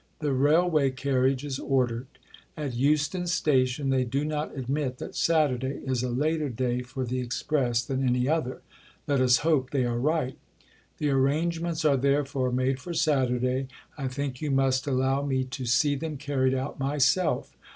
The railway carriage is ordered. At Euston Station they do not admit that Saturday is a later day for the Express than any other; let us hope they are right. The arrangements are therefore made for Saturday. I think you must allow me to see them carried out myself.